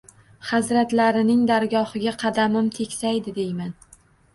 Hazratlarining dargohiga qadamim tegsaydi deyman.